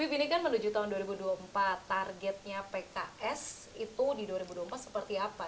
tapi ini kan menuju tahun dua ribu dua puluh empat targetnya pks itu di dua ribu dua puluh empat seperti apa